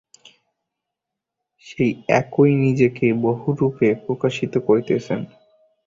সেই একই নিজেকে বহুরূপে প্রকাশিত করিতেছেন।